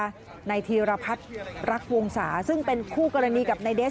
นายธีรพัฒน์รักวงศาซึ่งเป็นคู่กรณีกับนายเดส